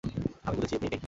আমি বুঝেছি, মেই-মেই।